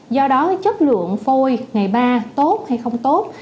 do đó chất lượng phôi ngày ba tốt hay không tốt